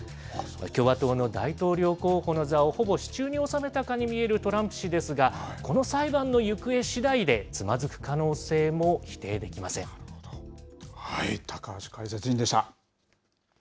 共和党の大統領候補の座をほぼ手中に収めたかに見えるトランプ氏ですが、この裁判の行方しだいで、高橋解説委員でした。